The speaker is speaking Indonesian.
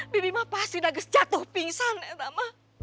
bibi pasti sudah jatuh pingsan neng